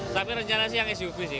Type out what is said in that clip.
tapi rencana sih yang suv sih